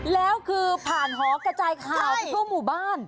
แล้วคือผ่านหอกระจายข่าวไปทั่วหมู่บ้าน